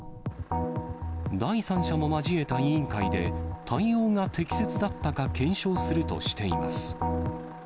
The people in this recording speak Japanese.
第三者を交えた委員会で、対応が適切だったか検証するとしています。